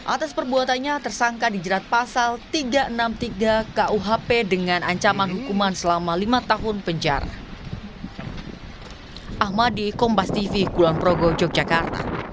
atas perbuatannya tersangka dijerat pasal tiga ratus enam puluh tiga kuhp dengan ancaman hukuman selama lima tahun penjara